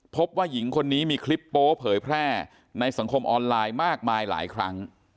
พบว่าหญิงคนนี้มีคลิปโป๊เผยแพร่ในสังคมออนไลน์มากมายหลายครั้ง